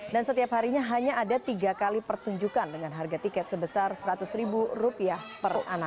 dan setiap harinya hanya ada tiga kali pertunjukan dengan harga tiket sebesar seratus ribu rupiah per anak